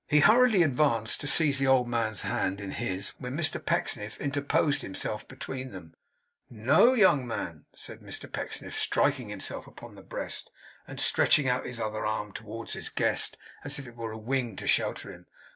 He hurriedly advanced to seize the old man's hand in his, when Mr Pecksniff interposed himself between them. 'No, young man!' said Mr Pecksniff, striking himself upon the breast, and stretching out his other arm towards his guest as if it were a wing to shelter him.